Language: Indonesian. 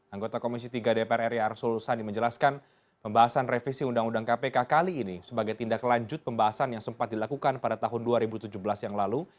anggota komisi tiga dpr ri arsul sani menjelaskan pembahasan revisi undang undang kpk kali ini sebagai tindak lanjut pembahasan yang sempat dilakukan pada tahun dua ribu tujuh belas yang lalu